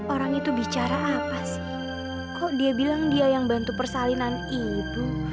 orang itu bicara apa sih kok dia bilang dia yang bantu persalinan ibu